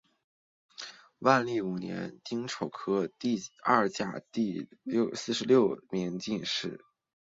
万历五年丁丑科第二甲第四十六名进士。